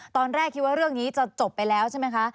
ตอนแรกคิดว่าเรื่องนี้จะจบไปแล้วใช่ไหมคะ